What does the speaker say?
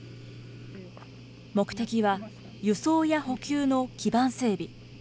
目的は、輸送や補給の基盤整備。